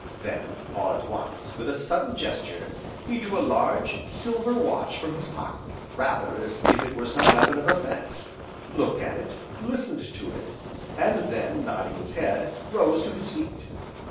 Then, all at once, with a sudden gesture he drew a large, silver watch from his pocket, rather as if it were some weapon of offence, looked at it, listened to it, and then nodding his head, rose to his feet.